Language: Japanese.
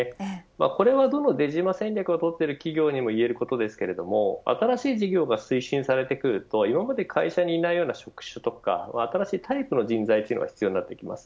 これは、どの出島戦略をとっている企業にも言えることですが新しい事業が推進されてくると今まで会社にいないような職種や新しいタイプの人材が必要になります。